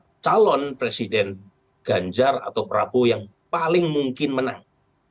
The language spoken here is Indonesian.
siapa calon presiden ganjar atau prabowo yang paling mungkin menang